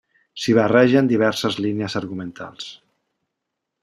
S'hi barregen diverses línies argumentals.